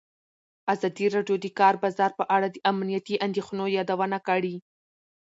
ازادي راډیو د د کار بازار په اړه د امنیتي اندېښنو یادونه کړې.